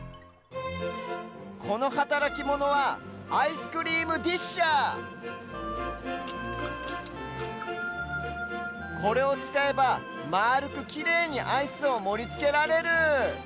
このはたらきモノはアイスクリームディッシャーこれをつかえばまあるくきれいにアイスをもりつけられる。